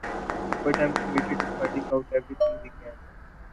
But I’m committed to finding out everything we can.